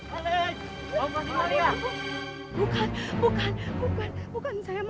aku dapat juga air dari tujuh sumur di desa ini